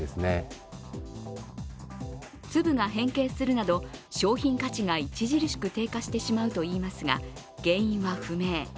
粒が変形するなど商品価値が著しく低下してしまうといいますが原因は不明。